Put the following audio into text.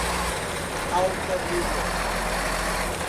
Altaneira